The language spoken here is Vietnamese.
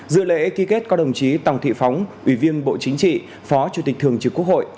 dự lễ ký kết có đồng chí tòng thị phóng ủy viên bộ chính trị phó chủ tịch thường trực quốc hội